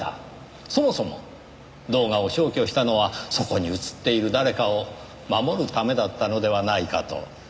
そもそも動画を消去したのはそこに映っている誰かを守るためだったのではないかと。